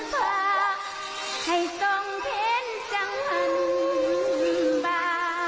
ที่เอาน้ำทางไว้เห็นเจ้าฟังมาเอาคืนลูกคำ